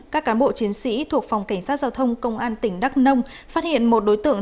các cán bộ chiến sĩ thuộc phòng cảnh sát giao thông công an tỉnh đắk nông phát hiện một đối tượng